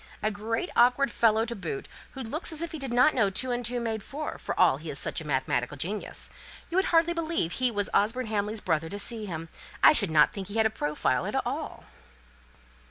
A great awkward fellow to boot, who looks as if he did not know two and two made four, for all he is such a mathematical genius. You would hardly believe he was Osborne Hamley's brother to see him! I should not think he has a profile at all."